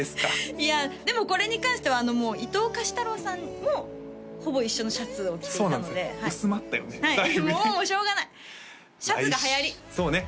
いやでもこれに関してはあのもう伊東歌詞太郎さんもほぼ一緒のシャツを着ていたのでそうなんですよ薄まったよねだいぶねもうしょうがないシャツがはやりそうね